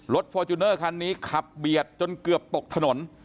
ฟอร์จูเนอร์คันนี้ขับเบียดจนเกือบตกถนน